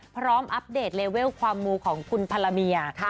พร้อมอัปเดทเลเวลความมูของคุณพละมียะ